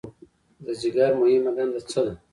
د ځیګر مهمه دنده څه ده؟